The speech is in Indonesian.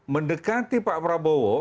mendekati pak prabowo